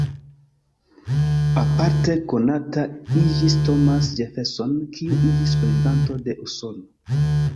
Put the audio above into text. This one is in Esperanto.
Aparte konata iĝis Thomas Jefferson, kiu iĝis prezidanto de Usono.